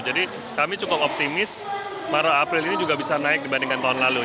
jadi kami cukup optimis maret april ini juga bisa naik dibandingkan tahun lalu